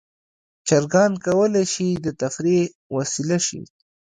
چرګان کولی شي د تفریح وسیله شي.